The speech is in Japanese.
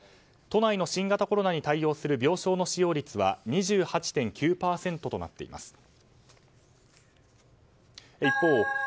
都内の新型コロナに対応する病床の使用率は２８．９％となっています。